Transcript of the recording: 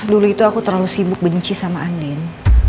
dulu itu aku terlalu sibuk benci sama andin